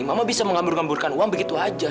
mama bisa mengambur ngamburkan uang begitu aja